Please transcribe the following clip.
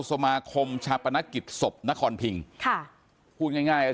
สมาคมชาบเปนกิตสกนคอณพิงค่ะพูดง่ายง่ายอะ